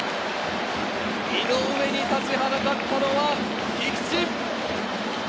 井上に立ちはだかったのは菊池！